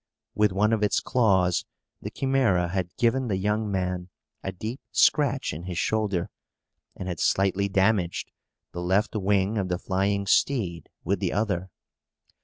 With one of its claws, the Chimæra had given the young man a deep scratch in his shoulder, and had slightly damaged the left wing of the flying steed with the other.